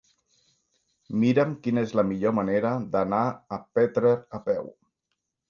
Mira'm quina és la millor manera d'anar a Petrer a peu.